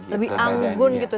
lebih anggun gitu